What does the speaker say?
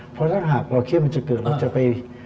เพราะถ้าหากเราเครียดมันจะเกิดเราจะไป